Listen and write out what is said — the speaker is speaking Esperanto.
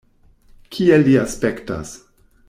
Kiel li aspektas?